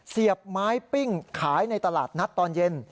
เสียบไม้ปิ้งขายในตลาดนัดตอนเย็น